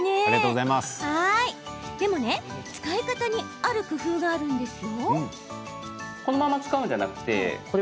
でも、使い方にある工夫があるんです。